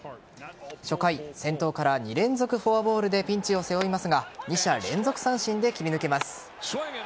初回、先頭から２連続フォアボールでピンチを背負いますが２者連続三振で切り抜けます。